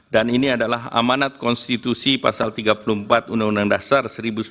dan ini adalah amanat konstitusi pasal tiga puluh empat undang undang dasar seribu sembilan ratus empat puluh lima